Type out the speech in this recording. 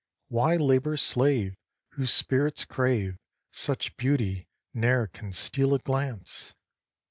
Why labor's slave, whose spirits crave Such beauty, ne'er can steal a glance?"